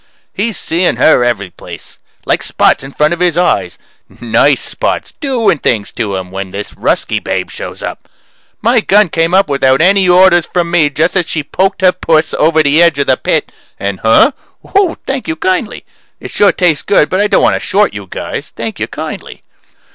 He's seeing her every place like spots in front of his eyes nice spots doing things to him, when this Ruskie babe shows up. My gun came up without any orders from me just as she poked her puss over the edge of the pit, and huh? Oh, thank you kindly. It sure tastes good but I don't want to short you guys. Thank you kindly.